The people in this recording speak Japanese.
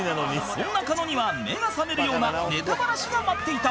そんな狩野には目が覚めるようなネタバラシが待っていた